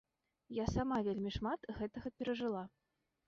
Я сама вельмі шмат гэтага перажыла.